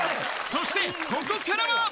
そしてここからは！